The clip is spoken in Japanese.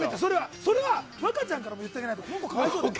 それは若ちゃんからも言ってあげないと可哀想だよ。